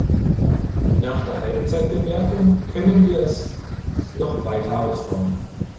Nach der Halbzeitbewertung können wir es noch weiter ausbauen.